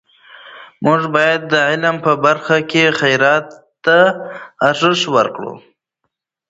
موږ باید د علم په برخه کې خیرات ته ارزښت ورکړو.